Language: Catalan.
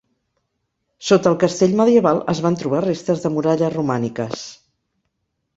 Sota el castell medieval es van trobar restes de muralles romàniques.